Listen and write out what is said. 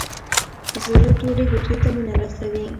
زړه ټولې حجرې ته وینه رسوي.